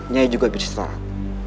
nyai juga beristirahat